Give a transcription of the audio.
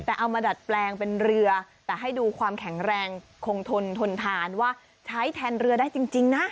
แต่เอามาดัดแปลงเป็นเรือแต่ให้ดูความแข็งแรงคงทนทนทานว่าใช้แทนเรือได้จริงนะ